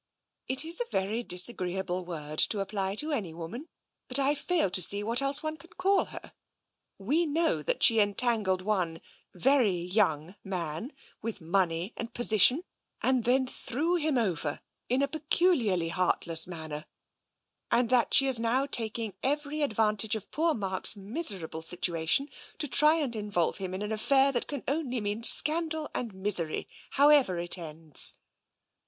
" It is a very disagreeable word to apply to any woman, but I fail to see what else one can call her. We know that she entangled one, very young, man, with money and position, and then threw him over in a peculiarly heartless manner, and that she is now tak ing every advantage of poor Mark's miserable situa tion to try and involve him in an affair that can only mean scandal and miserv, however it ends."